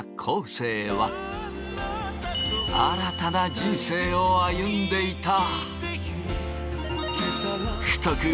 生は新たな人生を歩んでいた。